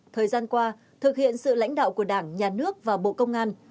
thời gian qua thực hiện sự lãnh đạo của đảng nhà nước và bộ công an